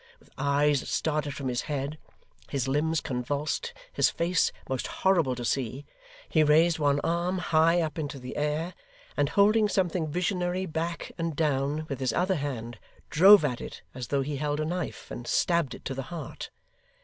With eyes that started from his head, his limbs convulsed, his face most horrible to see, he raised one arm high up into the air, and holding something visionary back and down, with his other hand, drove at it as though he held a knife and stabbed it to the heart.